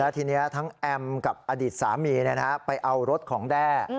ทีนี้ทั้งแอมกับอดีตสามีไปเอารถของแด้